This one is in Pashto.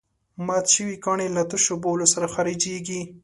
مات شوي کاڼي له تشو بولو سره خارجېږي.